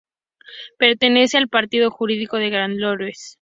Pertenece al partido jurídico de Granollers.